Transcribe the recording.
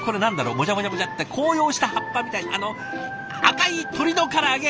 もじゃもじゃもじゃって紅葉した葉っぱみたいな赤い鶏のから揚げ！